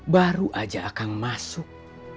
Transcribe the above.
baru aja akang masuk